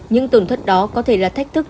những tổn thất đó có thể là thách thức